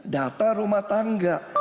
data rumah tangga